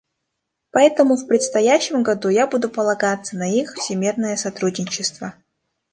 Поэтому в предстоящем году я буду полагаться на их всемерное сотрудничество.